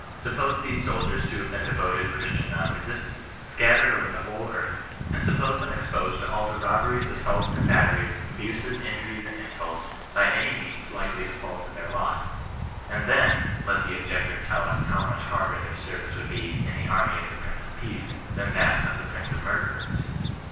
Suppose these soldiers to have been devoted Christian non resistants, scattered over the whole earth ; and suppose them exposed to all the robberies, assaults, and batteries, abuses, injuries, and insults, by any means likely to fall to their lot ; and then, let our objector tell us how much harder their service would be, in the army of the Prince of Peace, than that of the prince of murderers!